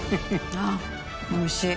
ああおいしい。